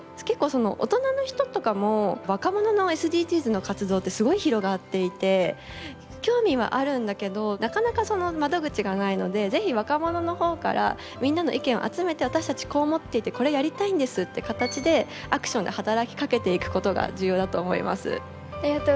結構大人の人とかも若者のＳＤＧｓの活動ってすごい広がっていて興味はあるんだけどなかなかその窓口がないので是非若者の方からみんなの意見を集めて私たちこう思っていてこれやりたいんですって形でアクションで働きかけていくことが重要だと思います。